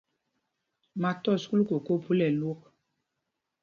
Ma tɔs kúl koko phúla ɛlwok.